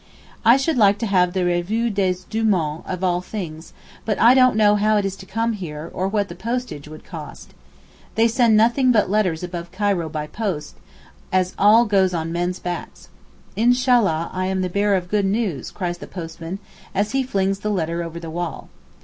I should like to have the Revue des Deux Mondes of all things, but I don't know how it is to come here, or what the postage would cost. They send nothing but letters above Cairo by post, as all goes on men's backs. 'Inshallah! I am the bearer of good news,' cries the postman, as he flings the letter over the wall.